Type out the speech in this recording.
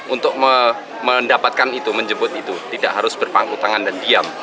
untuk mendapatkan itu menjemput itu tidak harus berpangku tangan dan diam